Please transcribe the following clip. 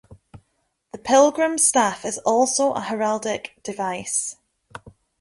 The pilgrim's staff is also a heraldic device.